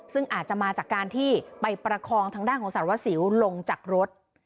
ซึ่งอาจจะมาจากการที่ไปประคองทางด้านของสารวัสสิวลงจากรถ